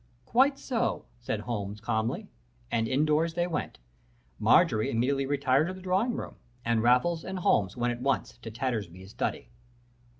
"'Quite so,' said Holmes, calmly. And in doors they went. Marjorie immediately retired to the drawing room, and Holmes and Raffles went at once to Tattersby's study.